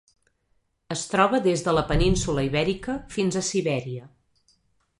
Es troba des de la península Ibèrica fins a Sibèria.